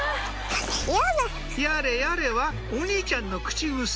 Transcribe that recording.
「やれやれ」はお兄ちゃんの口癖